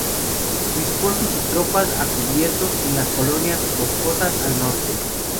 Dispuso sus tropas a cubierto en las colinas boscosas al norte.